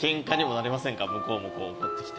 向こうも怒ってきて。